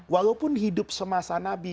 walaupun hidup semasa nabi